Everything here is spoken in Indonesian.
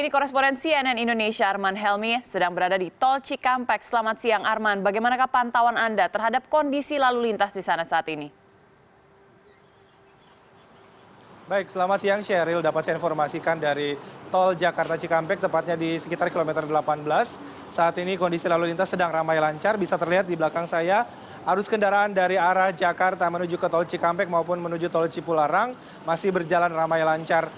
kepadatan di dalam ruas tol cikampek terjadi di beberapa titik